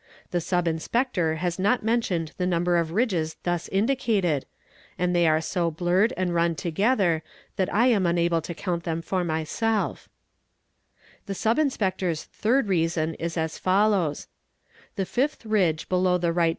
The Sub Inspector has not mention the number of ridges thus indicated, and they are so blurred and r together, that I am unable to count them for myself. a FINGER PRINTS 287 "The Sub Inspector's third reason is as follows: "The fifth ridge below the right.